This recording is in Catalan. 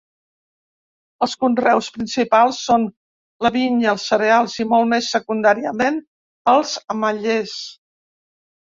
Els conreus principals són la vinya, els cereals i, molt més secundàriament, els ametllers.